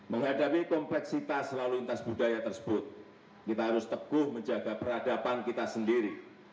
menghadapi kompleksitas lalu lintas budaya tersebut kita harus teguh menjaga peradaban kita sendiri